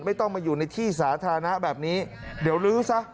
ไม่ต้องมาอยู่ในที่สาธารณะแบบนี้เดี๋ยวลื้อซะ